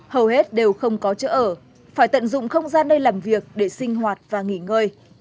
hầu hết đều không có chỗ ở phải tận dụng không gian nơi làm việc để sinh hoạt và nghỉ ngơi